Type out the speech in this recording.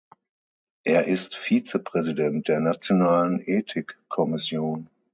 Er ist Vizepräsident der Nationalen Ethikkommission.